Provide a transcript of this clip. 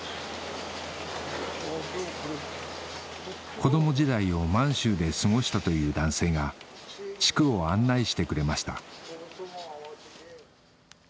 子供時代を満州で過ごしたという男性が地区を案内してくれました